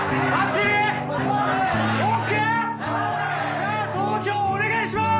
じゃあ投票お願いします！